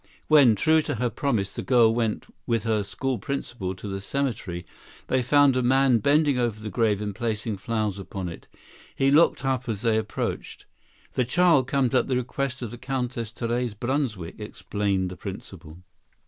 When, true to her promise, the girl went with her school principal to the cemetery, they found a man bending over the grave and placing flowers upon it. He looked up as they approached. "The child comes at the request of the Countess Therese Brunswick," explained the principal.